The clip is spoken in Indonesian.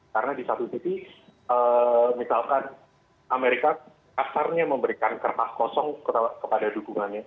karena di satu titik misalkan amerika kasarnya memberikan kertas kosong kepada dukungannya